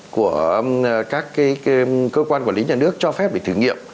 của các cơ quan quản lý nhà nước cho phép để thử nghiệm